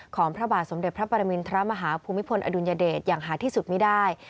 พระบาทสมเด็จพระปรมินทรมาฮาภูมิพลอดุลยเดชอย่างหาที่สุดไม่ได้